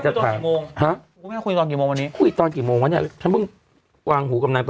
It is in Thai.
ก็ไม่ได้หรอก